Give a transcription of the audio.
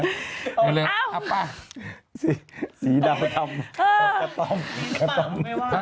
อ้าวเอาป่ะสีสีดาวดำกระต้มกระต้ม